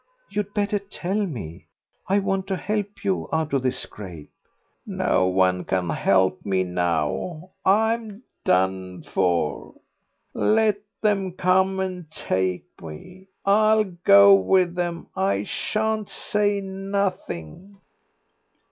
You'd better tell me. I want to help you out of this scrape." "No one can help me now, I'm done for. Let them come and take me. I'll go with them. I shan't say nothing."